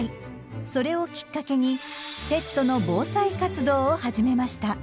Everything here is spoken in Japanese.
それをきっかけにペットの防災活動を始めました。